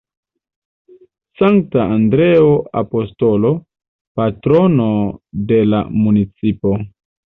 Sankta Andreo Apostolo, Patrono de la municipo.